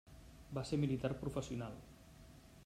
Va ser militar professional.